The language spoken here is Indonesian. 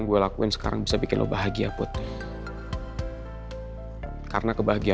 kita ceser itu sufficiently tahun sekarang